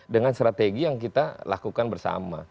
dengan strategi yang kita lakukan bersama